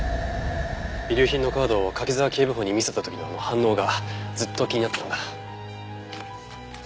遺留品のカードを柿沢警部補に見せた時の反応がずっと気になってたんだ。